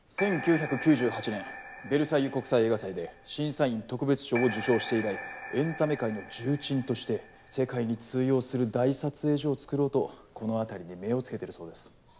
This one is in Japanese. １９９８年ヴェルサイユ国際映画祭で審査員特別賞を受賞して以来エンタメ界の重鎮として世界に通用する大撮影所をつくろうとこの辺りで目を付けてるそうです。